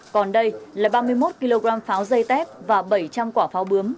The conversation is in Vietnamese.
còn đây là ba mươi một kg pháo dây tép và bảy trăm linh quả pháo bướm